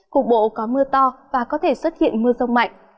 cục bộ có mưa to và có thể xuất hiện mưa rông mạnh